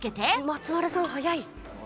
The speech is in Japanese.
松丸さん、早い。